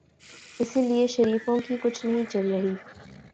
اسی لیے شریفوں کی کچھ نہیں چل رہی۔